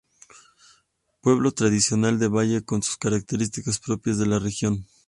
Pueblo tradicional de valle con sus características propias de la región.